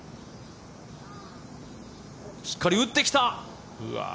しっかり打ってきた！